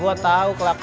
gue tahu kelakuan lu